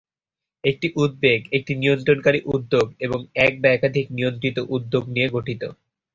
একটি উদ্বেগ একটি নিয়ন্ত্রণকারী উদ্যোগ এবং এক বা একাধিক নিয়ন্ত্রিত উদ্যোগ নিয়ে গঠিত।